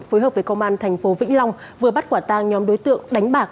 phối hợp với công an thành phố vĩnh long vừa bắt quả tang nhóm đối tượng đánh bạc